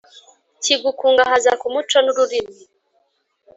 kigukungahaza ku muco n’ururimi